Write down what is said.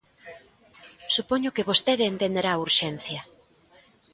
Supoño que vostede entenderá a urxencia.